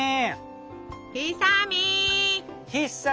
ひさみん！